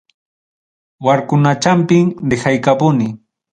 Warkunachampim dejaykapuni.